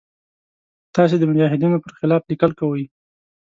تاسې د مجاهدینو پر خلاف لیکل کوئ.